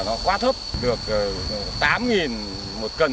nó quá thấp được tám đồng một kg như thế này cũng đạt tí nào luôn